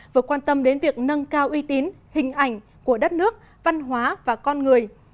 vừa quan tâm đến việc nâng cao uy tín hình ảnh của đất nước văn hóa và con người